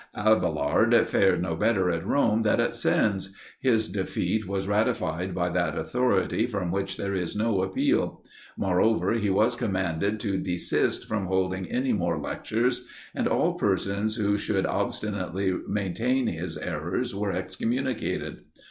Abailard fared no better at Rome than at Sens. His defeat was ratified by that authority from which there is no appeal. Moreover, he was commanded to desist from holding any more lectures; and all persons who should obstinately maintain his errors were excommunicated.